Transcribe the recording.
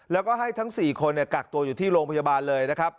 แล้วก็ให้ทั้ง๔คนกักตัวอยู่ที่โรงพยาบาลเลยนะครับ